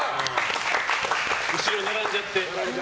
後ろ並んじゃって。